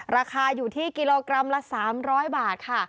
ราคาอยู่ที่กิโลกรัมละ๓๐๐บาทค่ะ